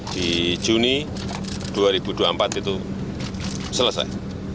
di juni dua ribu dua puluh empat itu selesai